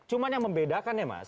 cuma yang membedakan ya mas